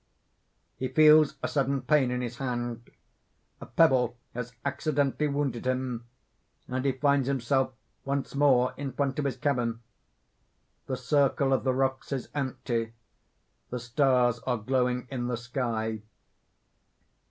_ _He feels a sudden pain in his hand a pebble has accidentally wounded him and he finds himself once more in front of his cabin._ _The circle of the rocks is empty. The stars are glowing in the sky.